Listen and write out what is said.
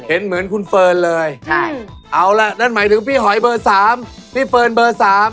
เห็นเหมือนคุณเฟิร์นเลยเอาล่ะนั่นหมายถึงพี่หอยเบอร์๓พี่เฟิร์นเบอร์๓